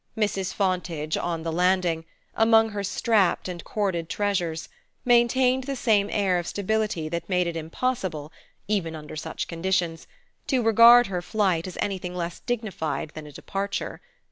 Mrs. Fontage, on the landing, among her strapped and corded treasures, maintained the same air of stability that made it impossible, even under such conditions, to regard her flight as anything less dignified than a departure.